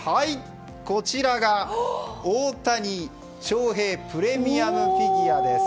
こちらが大谷翔平プレミアムフィギュアです。